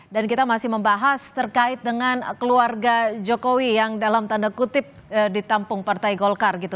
dan kita masih membahas terkait dengan keluarga jokowi yang dalam tanda kutip ditampung partai golkar gitu